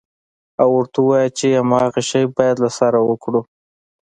او ورته ووايې چې همدغه شى بيا له سره وکره.